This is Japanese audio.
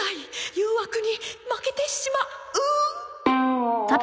誘惑に負けてしまう。